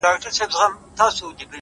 د تمرکز دوام بریا تضمینوي.!